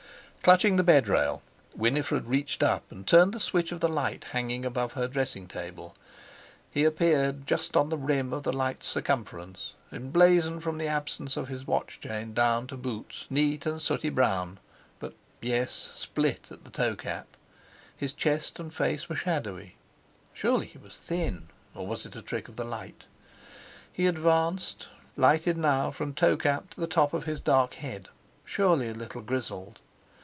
Clutching the bed rail, Winifred reached up and turned the switch of the light hanging above her dressing table. He appeared just on the rim of the light's circumference, emblazoned from the absence of his watch chain down to boots neat and sooty brown, but—yes!—split at the toecap. His chest and face were shadowy. Surely he was thin—or was it a trick of the light? He advanced, lighted now from toe cap to the top of his dark head—surely a little grizzled!